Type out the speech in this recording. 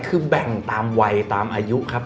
คือแบ่งตามวัยตามอายุครับ